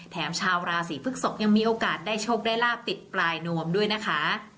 ชาวราศีพฤกษกยังมีโอกาสได้โชคได้ลาบติดปลายนวมด้วยนะคะ